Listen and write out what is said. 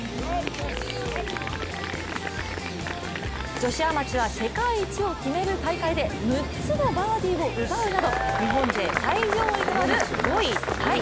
女子アマチュア世界一を決める大会で６つのバーディーを奪うなど日本勢最上位となる５位タイ。